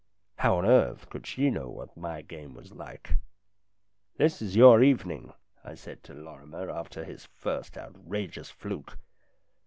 How on earth could she know what my game was like ?" This is your evening," I said to Lorrimer after his first outrageous fluke.